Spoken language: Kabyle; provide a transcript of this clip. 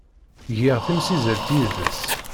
Giɣ timsizzelt yid-s.